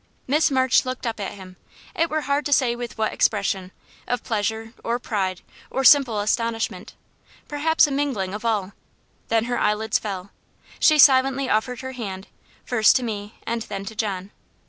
Miss March looked up at him it were hard to say with what expression, of pleasure, or pride, or simple astonishment; perhaps a mingling of all then her eyelids fell. She silently offered her hand, first to me and then to John.